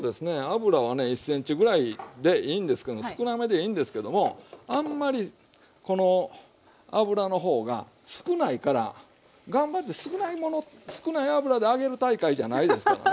油はね１ｃｍぐらいでいいんですけど少なめでいいんですけどもあんまりこの油の方が少ないから頑張って少ない油で揚げる大会じゃないですから。